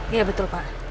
iya betul pak